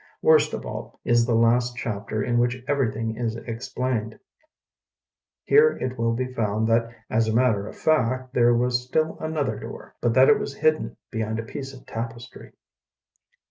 Worst of all is the last chapter in which everything is ex plained. Here it will be found that as a matter of fact there was still an other door, but that it was hidden be hind a piece of tapestry.